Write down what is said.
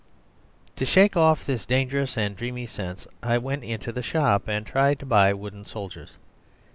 To shake off this dangerous and dreamy sense I went into the shop and tried to buy wooden soldiers.